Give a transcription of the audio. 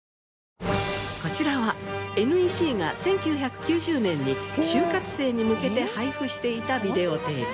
こちらはＮＥＣが１９９０年に就活生に向けて配布していたビデオテープ。